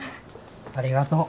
ありがとう。